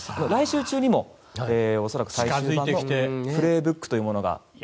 来週中にも最終版の「プレーブック」というものが。